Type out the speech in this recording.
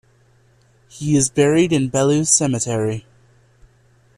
He is buried in Bellu cemetery.